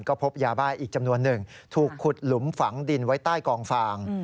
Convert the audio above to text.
ก็พบยาบ้าอีกจำนวนหนึ่งถูกขุดหลุมฝังดินไว้ใต้กองฟาง